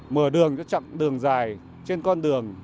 mở đường cho chặng đường dài trên con đường